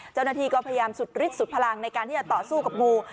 เจ้าหน้าที่ก็พยายามสุดฤทธิสุดพลังในการที่จะต่อสู้กับงู